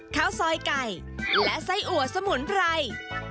ข้าวซอยไก่และไส้อัวสมุนไพร